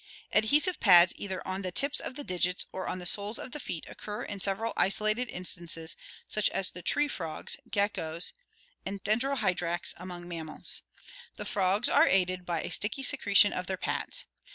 Adhesive pads cither on the tips of the digits or on the soles of the feet occur in several isolated instances, such as the tree frogs, geckoes, and Dendrohyrax among mammals. The frogs are aided by a sticky secretion of their pads.